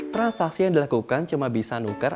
transaksi yang dilakukan cuma bisa nuker